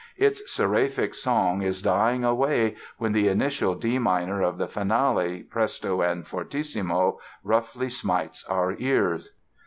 Its seraphic song is dying away when the initial D minor of the Finale, presto and fortissimo, roughly smites our ears.